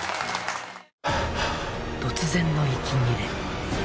突然の息切れ。